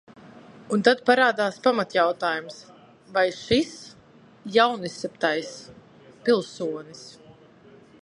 "Un tad parādās pamatjautājums: vai šis "jaunizceptais" pilsonis."